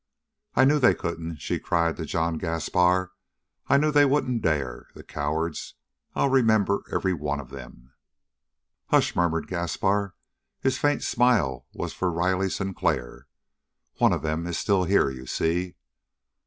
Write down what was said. "I knew they couldn't," she cried to John Gaspar. "I knew they wouldn't dare. The cowards! I'll remember every one of them!" "Hush!" murmured Gaspar. His faint smile was for Riley Sinclair. "One of them is still here, you see!"